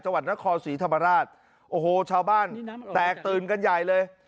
วัดนครศรีธรรมราชโอ้โหชาวบ้านแตกตื่นกันใหญ่เลย